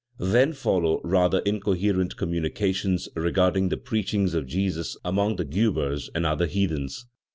Then follow rather incoherent communications regarding the preachings of Jesus among the Guebers and other heathens.